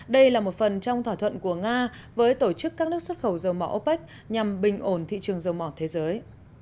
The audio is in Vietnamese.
đây là một phần trong thỏa thuận của nga với tổ chức các nước xuất khẩu dầu mỏ opec nhằm bình ổn thị trường dầu mỏ thế giới